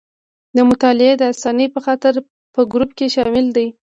د مطالعې د اسانۍ په خاطر په ګروپ کې شامل دي.